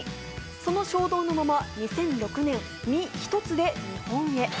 その衝動のまま２００６年、身一つで日本へ。